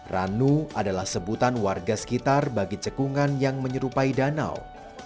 ranu adalah sebutan warga sekitar bagi cekungan yang menyerupai danau